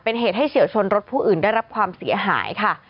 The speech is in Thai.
เป็นเหตุให้เฉียวชนรถผู้อื่นได้รับความเสียหายค่ะ